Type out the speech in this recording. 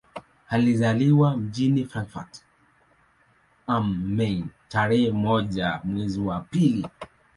Alizaliwa mjini Frankfurt am Main tarehe moja mwezi wa pili